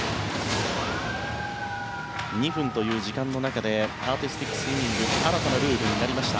２分という時間の中でアーティスティックスイミングの新たなルールになりました。